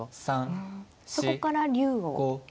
うんそこから竜を。